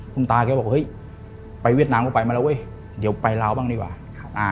คุณตาแกบอกเฮ้ยไปเวียดนามก็ไปมาแล้วเว้ยเดี๋ยวไปลาวบ้างดีกว่าครับอ่า